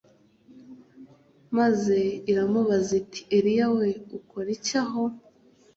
maze iramubaza iti Eliya we urakora iki aho